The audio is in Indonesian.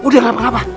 udah gak apa apa